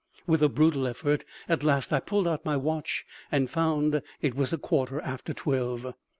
With a brutal effort at last I pulled out my watch, and found it was a quarter after twelve.